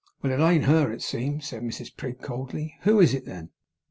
'Well, it ain't her, it seems,' said Mrs Prig, coldly; 'who is it then?